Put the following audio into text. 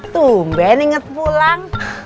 tumben inget pulang